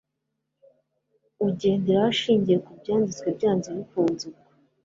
ugenderaho ashingiye ku byanditswe byanze bikunze ubwo